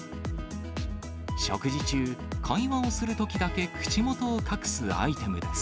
食事中、会話をするときだけ口元を隠すアイテムです。